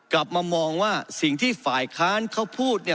กลับมามองว่าสิ่งที่ฝ่ายค้านเขาพูดเนี่ย